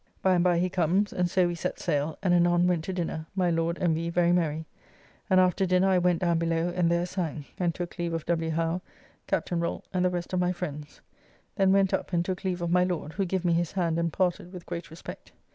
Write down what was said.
By and by he comes and so we set sayle, and anon went to dinner, my Lord and we very merry; and after dinner I went down below and there sang, and took leave of W. Howe, Captain Rolt, and the rest of my friends, then went up and took leave of my Lord, who give me his hand and parted with great respect.